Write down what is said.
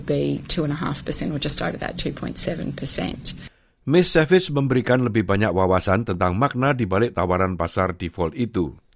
ketua eir claire savage memberikan lebih banyak wawasan tentang makna dibalik tawaran pasar default itu